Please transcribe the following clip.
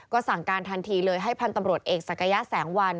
ก็สั่งการทันทีเลยให้พันธ์ตำรวจเอกศักยะแสงวัน